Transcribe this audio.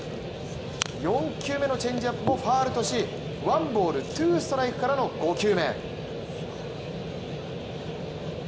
４球目のチェンジアップもファウルとしワンボールツーストライクからの５球目。